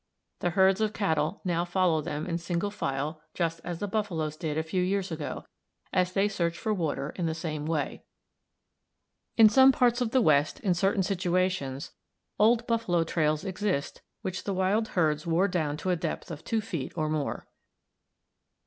The herds of cattle now follow them in single file just as the buffaloes did a few years ago, as they search for water in the same way. In some parts of the West, in certain situations, old buffalo trails exist which the wild herds wore down to a depth of 2 feet or more.